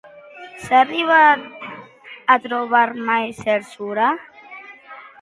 S'ha arribat a trobar mai Zerzura?